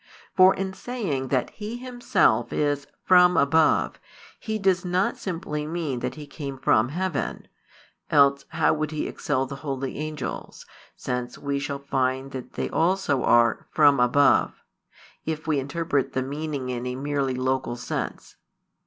For in saying that He Himself is "from above," He does not simply mean that He came from heaven: else, how would He excel the holy angels, since |269 we shall find that they also are "from above," if we interpret the meaning in a merely local sense?